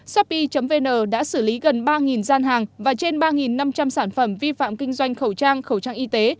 shopee vn đã xử lý gần ba gian hàng và trên ba năm trăm linh sản phẩm vi phạm kinh doanh khẩu trang khẩu trang y tế